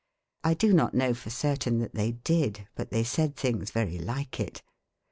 I do not know for certain that they did, but they said things very like it.